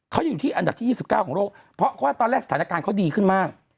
เขาอยู่ที่อันดับที่๒๙ของโลกเพราะว่าตอนแรกสถานการณ์เขาดีขึ้นมาก